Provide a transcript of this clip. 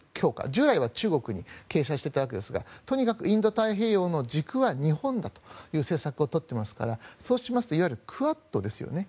従来は中国に傾斜していたわけですがとにかくインド太平洋の軸は日本だという政策を取っていますからそうするといわゆるクアッドですよね。